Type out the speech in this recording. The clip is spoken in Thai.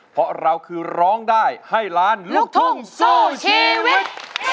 เพราะเราคือร้องได้ให้ล้านลูกทุ่งสู้ชีวิต